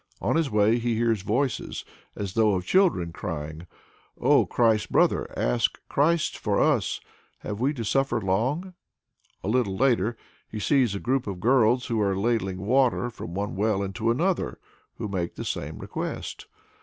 On his way he hears voices, as though of children, crying, "O Christ's brother, ask Christ for us have we to suffer long?" A little later he sees a group of girls who are ladling water from one well into another, who make the same request.